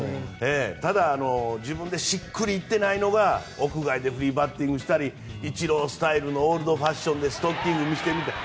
ただ、自分でしっくりいってないのが屋外でフリーバッティングしたりイチロースタイルのオールドファッションでストッキング見せてみたり。